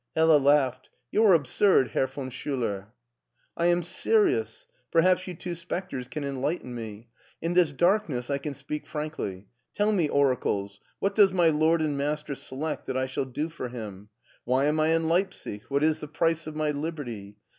Hella laughed. "You are absurd, Herr von Schuler/' "I am serious. Perhaps you two specters can enlighten me. In this darkness I can speak frankly. Tell me, oracles, what does my lord and master select that I shall do for him ? Why am I in Leipsic, what is the price of my liberty?